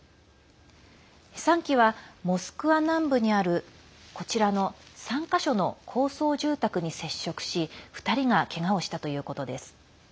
３機はモスクワ南部にあるこちらの３か所の高層住宅に接触し２人がけがをしたということです。